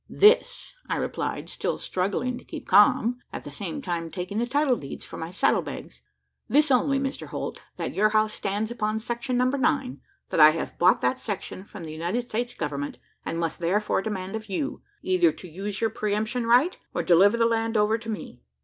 "This," I replied, still struggling to keep calm, at the same time taking the title deeds from my saddle bags "this only, Mr Holt. That your house stands upon Section Number 9; that I have bought that section from the United States government; and must therefore demand of you, either to use your pre emption, right, or deliver the land over to me.